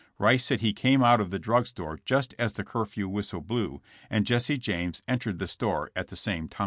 Rice said he came out of the drug store just as the curfew whistle blew, and Jesse James entered the store at the same time.